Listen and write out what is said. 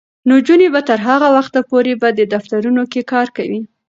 نجونې به تر هغه وخته پورې په دفترونو کې کار کوي.